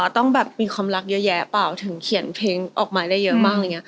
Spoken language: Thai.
ต้องแบบมีความรักเยอะแยะเปล่าถึงเขียนเพลงออกมาได้เยอะมาก